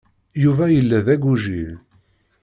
Yuba yella d agujil.